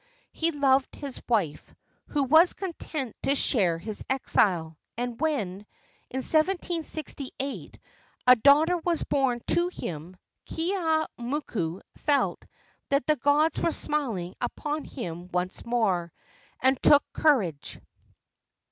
He loved his wife, who was content to share his exile, and when, in 1768, a daughter was born to him, Keeaumoku felt that the gods were smiling upon him once more, and took courage.